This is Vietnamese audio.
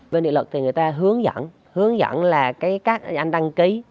về điện lực thì người ta hướng dẫn hướng dẫn là các anh đăng ký